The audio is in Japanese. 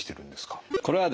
これはですね